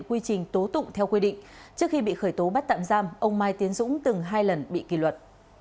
quy trình tố tụng theo quy định trước khi bị khởi tố bắt tạm giam ông mai tiến dũng từng hai lần bị kỳ luật